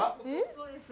そうです。